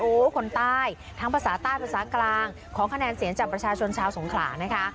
โอ้โหคนใต้ทั้งภาษาใต้ภาษากลางของคะแนนเสียงจากประชาชนชาวสงขลานะคะ